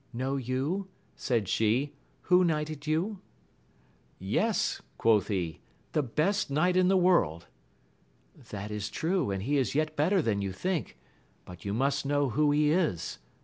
ELnow you, said she, who knighted you ? Yes, quoth he, the best knight in the world. — That is true, and he is yet better than you think; but you must know who he is.